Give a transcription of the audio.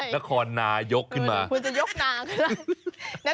นครนายกขึ้นมาคุณจะยกนาขึ้นมา